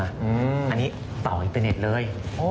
อันนี้ต่ออินเตอร์เน็ตเลย